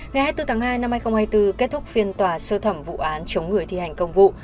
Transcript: ngày hai mươi bốn tháng hai năm hai nghìn hai mươi bốn kết thúc phiên tòa sơ thẩm vụ án chống người thi hành công vụ